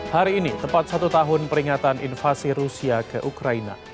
hari ini tepat satu tahun peringatan invasi rusia ke ukraina